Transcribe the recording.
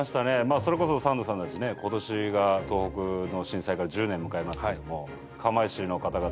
それこそサンドさんたちね今年が東北の震災から１０年迎えますけども。